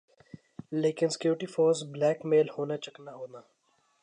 لیکن security force blackmail ہونا چکنا ہونا